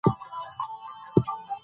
په افغانستان کې د اوښ تاریخ اوږد دی.